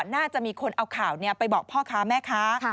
น่าจะมีคนเอาข่าวไปบอกพ่อค้าแม่ค้า